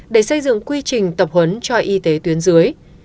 để xây dựng quy trình tập huấn cho y tế tuyến dưới